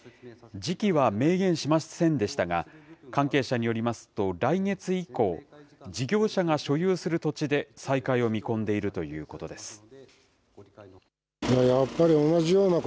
時期は明言しませんでしたが、関係者によりますと、来月以降、事業者が所有する土地で再開を見込んでいるということです。